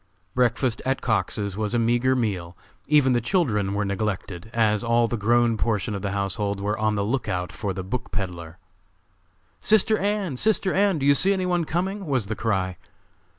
Breakfast at Cox's was a meagre meal, even the children were neglected, as all the grown portion of the household were on the lookout for the book peddler. "Sister Ann! Sister Ann! do you see any one coming?" was the cry.